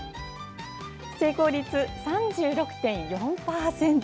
成功率３６．４％。